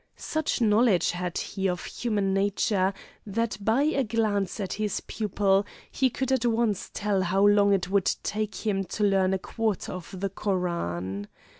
Such knowledge had he of human nature that by a glance at his pupil he could at once tell how long it would take him to learn a quarter of the Koran.